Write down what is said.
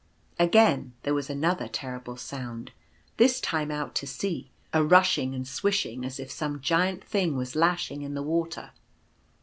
Again there was another terrible sound — this time out to sea — a rushing and swishing as if some giant thing was lashing the water.